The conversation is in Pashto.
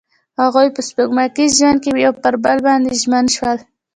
هغوی په سپوږمیز ژوند کې پر بل باندې ژمن شول.